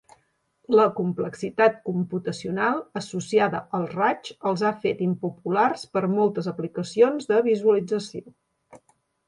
La complexitat computacional associada als raigs els ha fet impopulars per a moltes aplicacions de visualització.